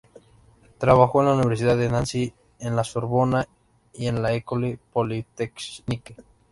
Trabajó en la Universidad de Nancy, en la Sorbona y en la École polytechnique.